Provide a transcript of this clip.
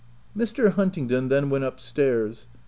Mr* Huntingdon then went up stairs.